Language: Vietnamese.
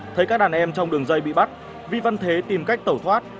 thấy các đàn em trong đường dây bị bắt vi văn thế tìm cách tẩu thoát